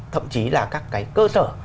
thậm chí là các cái cơ sở